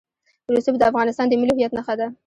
رسوب د افغانستان د ملي هویت نښه ده.